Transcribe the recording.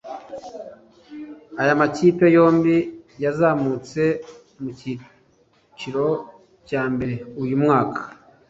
Aya makipe yombi yazamutse mu cyiciro cya mbere uyu mwaka